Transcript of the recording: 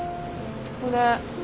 これ。